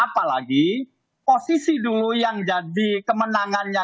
apalagi posisi dulu yang jadi kemenangannya